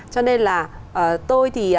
cho nên là tôi thì